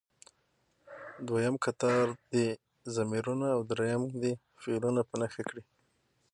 دویم کتار دې ضمیرونه او دریم دې فعلونه په نښه کړي.